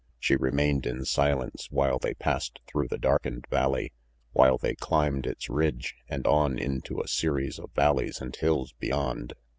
She remained in silence while they passed through the darkened valley, while they climbed its ridge and on into a series of valleys and hills beyond.